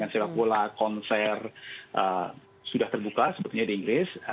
sepak bola konser sudah terbuka sebetulnya di inggris